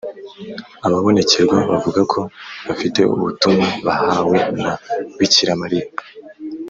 Ababonekerwa bavuga ko bafite ubutumwa bahawe na Bikira Mariya